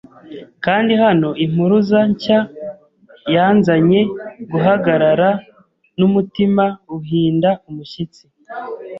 Kandi hano impuruza nshya yanzanye guhagarara numutima uhinda umushyitsi.